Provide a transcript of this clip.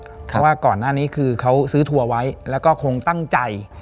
เพราะว่าก่อนหน้านี้คือเขาซื้อทัวร์ไว้แล้วก็คงตั้งใจ